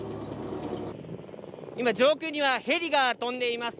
今、上空にはヘリが飛んでいます。